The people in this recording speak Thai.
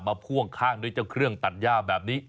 พ่วงข้างด้วยเจ้าเครื่องตัดย่าแบบนี้